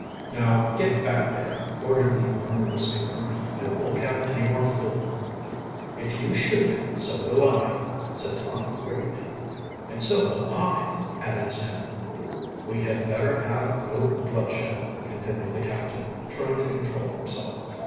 "Now get back there," ordered the owner of the schooner. "I won't have any more fooling." "If you shoot, so will I," said Tom quickly. "And so will I," added Sam. "We had better have no bloodshed," continued the captain, trying to control himself.